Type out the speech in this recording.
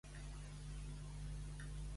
Qui guanya la guerra de titanomàquia?